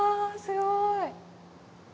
すごい。